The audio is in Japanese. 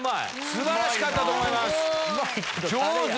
素晴らしかったと思います上手！